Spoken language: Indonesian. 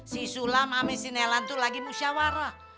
si sulam sama si nelan tuh lagi musyawarah